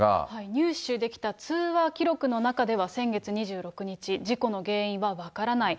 入手できた通話記録の中では先月２６日、事故の原因は分からない。